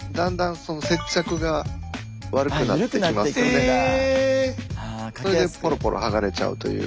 それでぽろぽろ剥がれちゃうという。